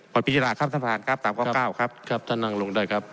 พิจารณาครับท่านประธานครับตามข้อเก้าครับครับท่านนั่งลงด้วยครับ